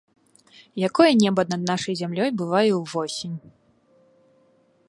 Якое неба над нашай зямлёй бывае ўвосень!